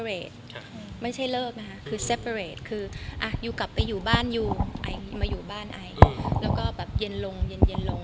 ค่ะไม่ใช่นะฮะคือคือคืออ่ะอยู่กลับไปอยู่บ้านอยู่ไอมาอยู่บ้านไออืมแล้วก็แบบเย็นลงเย็นเย็นลง